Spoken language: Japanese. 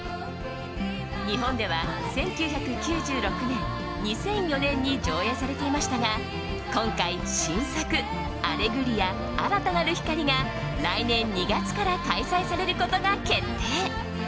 日本では１９９６年、２００４年に上演されていましたが今回、新作「アレグリア‐新たなる光‐」が来年２月から開催されることが決定。